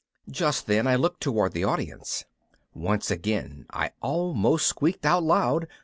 _ Just then I looked toward the audience. Once again I almost squeaked out loud.